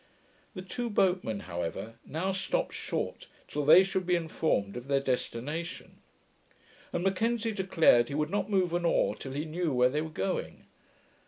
The two boatmen, however, now stopped short, till they should be informed of their destination; and M'Kenzie declared he would not move an oar till he knew where they were going.